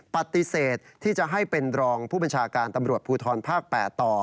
ปฏิเสธที่จะให้เป็นรองผู้บัญชาการตำรวจภูทรภาค๘ต่อ